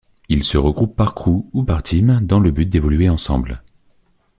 Ils se regroupent par crew ou par team, dans le but d'évoluer ensemble.